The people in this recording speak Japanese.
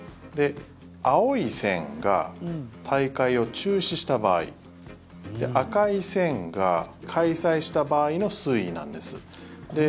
青い線が大会を中止した場合赤い線が開催した場合の推移なんです。